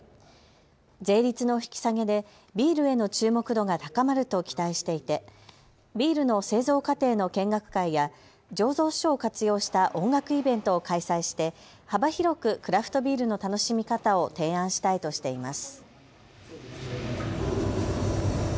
税率の引き下げでビールへの注目度が高まると期待していてビールの製造過程の見学会や醸造所を活用した音楽イベントを開催して幅広くクラフトビールの楽しみ方を提案したいとしています。